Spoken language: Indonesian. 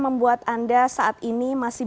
membuat anda saat ini masih